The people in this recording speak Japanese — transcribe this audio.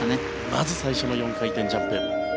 まず最初の４回転ジャンプ。